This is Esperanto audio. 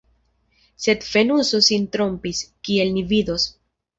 Sed Fenuso sin trompis, kiel ni vidos.